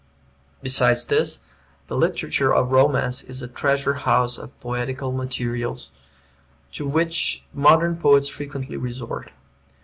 Besides this, the literature of romance is a treasure house of poetical material, to which modern poets frequently resort.